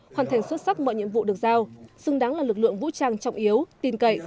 hoàn thành xuất sắc mọi nhiệm vụ được giao xứng đáng là lực lượng vũ trang trọng yếu tin cậy